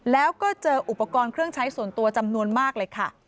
แล้วก็เจออุปกรณ์เครื่องใช้ส่วนตัวจำนวนมากเลยค่ะ